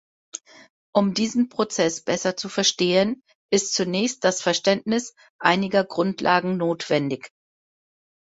Um diesen Prozess besser zu verstehen, ist zunächst das Verständnis einiger Grundlagen notwendig.